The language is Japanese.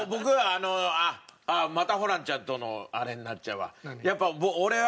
あっまたホランちゃんとのあれになっちゃうわ。